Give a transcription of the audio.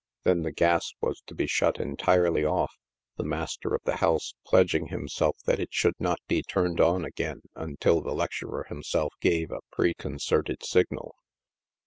Then the gas was to be shut entirely off, the master of the house pledging himself that it should not be turned on again until the lecturer himself gave a preconcerted signal.